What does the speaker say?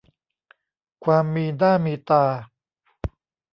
ความมีหน้ามีตา